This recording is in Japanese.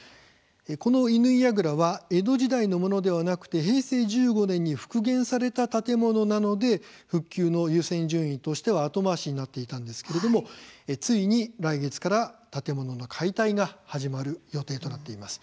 この戌亥櫓は江戸時代のものではなくて平成１５年に復元された建物なので復旧の優先順位としては後回しになっていたんですけれどもついに、来月から建物の解体が始まる予定となっています。